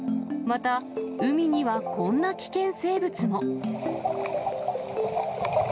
また、海にはこんな危険生物も。